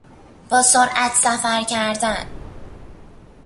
با سرعت سفر کردن